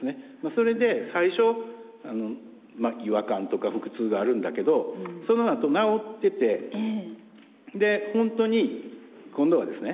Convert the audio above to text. それで最初違和感とか腹痛があるんだけどそのあと治っててで本当に今度はですね